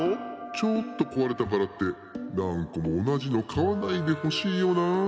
「ちょっとこわれたからってなんこもおなじのかわないでほしいよなあ。